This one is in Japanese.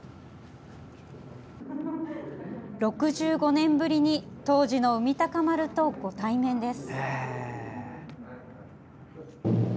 ６５年ぶりに当時の「海鷹丸」とご対面です。